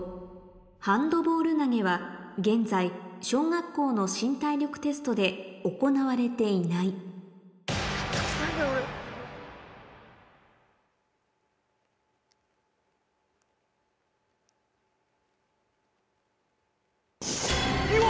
ハンドボール投げは現在小学校の新体力テストで行われていないお！